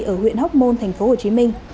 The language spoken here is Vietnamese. ở huyện hóc môn thành phố hồ chí minh